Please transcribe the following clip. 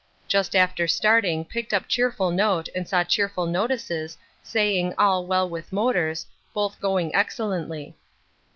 Just after starting picked up cheerful note and saw cheerful notices saying all well with motors, both going excellently.